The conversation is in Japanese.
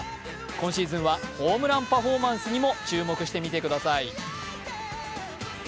今シーズンはホームランパフォーマンスにも注目してみてください。